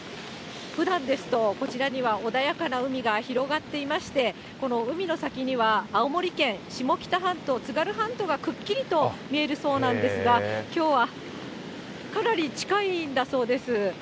というのも、ふだんですと、こちらには穏やかな海が広がっていまして、この海の先には、青森県下北半島、津軽半島がくっきりと見えるそうなんですが、きょうは、かなり近いんだそうです。